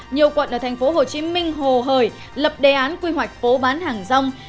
nhiều quận ở tp hcm hồ hời lập đề án quy hoạch phố bán hàng rong